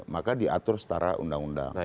maka diatur setara undang undang